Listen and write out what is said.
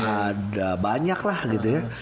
ada banyak lah gitu ya